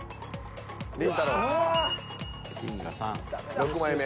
６枚目。